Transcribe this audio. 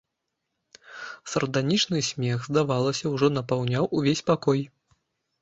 Сарданічны смех, здавалася, ужо напаўняў увесь пакой.